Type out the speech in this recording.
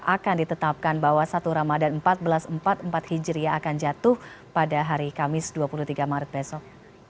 akan ditetapkan bahwa satu ramadan empat belas empat hijriah akan jatuh pada hari kamis dua puluh tiga maret besok